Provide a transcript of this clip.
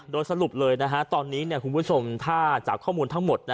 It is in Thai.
โดยสรุปเลยตอนนี้คุณผู้ชมถ้าจากข้อมูลทั้งหมด